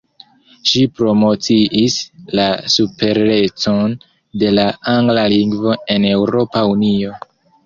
Ŝi promociis la superecon de la angla lingvo en Eŭropa Unio.